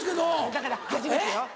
だから初めてよ